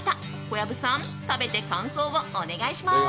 小籔さん食べて感想をお願いします。